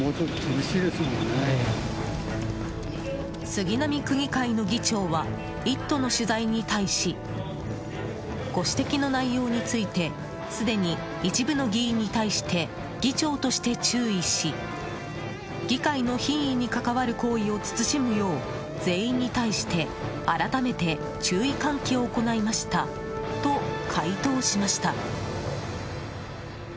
杉並区議会の議長は「イット！」の取材に対しご指摘の内容についてすでに一部の議員に対して議長として注意し議会の品位にかかわる行為を慎むよう全員に対して、改めて注意喚起を行いましたと回答しました。